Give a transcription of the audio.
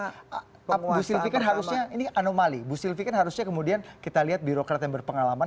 apa apa harusnya ini anomali busil pikir harusnya kemudian kita lihat birokrat yang berpengalaman